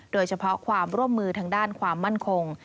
โดยเฉพาะความร่วมมือทางด้านความมั่นคง